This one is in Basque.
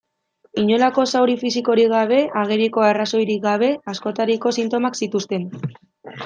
Inolako zauri fisikorik gabe, ageriko arrazoirik gabe, askotariko sintomak zituzten.